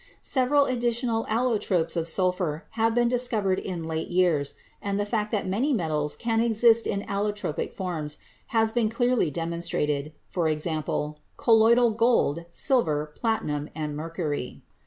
Several additional allotropes of sulphur have been discovered in late years, and the fact that many metals can also exist in allotropic forms has been clearly demon strated — e.g., colloidal gold, silver, platinum and mercury.